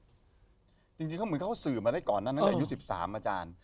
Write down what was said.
จริงเขาเหมือนเขาสื่อมาได้ก่อนนั้นตั้งแต่อายุ๑๓อาจารย์